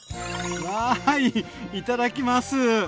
わいいただきます！